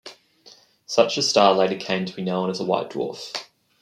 Such a star later came to be known as a white dwarf.